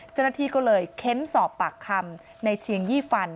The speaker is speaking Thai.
เจ้าหน้าที่ก็เลยเค้นสอบปากคำในเชียงยี่ฟัน